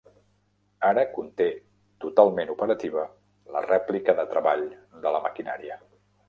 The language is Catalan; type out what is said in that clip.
Ara conté totalment operativa, la rèplica de treball de la maquinària.